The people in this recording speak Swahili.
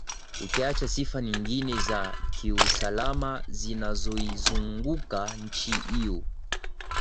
Ukiacha sifa nyingine za kiusalama zinazoizunguka nchi hiyo